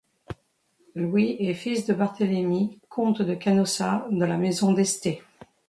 Louis est fils de Barthélemi, comte de Canossa, de la maison d'Este.